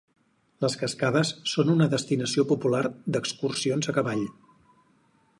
Les cascades són una destinació popular d'excursions a cavall.